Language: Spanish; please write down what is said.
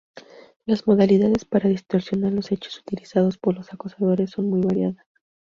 Las modalidades para distorsionar los hechos utilizados por los acosadores son muy variadas.